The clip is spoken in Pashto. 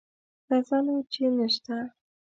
ښه ځه نو چې نه شته.